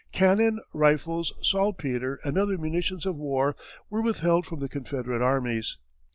Cannon, rifles, saltpetre, and other munitions of war were withheld from the Confederate armies.